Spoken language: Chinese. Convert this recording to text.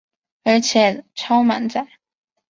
而且超满载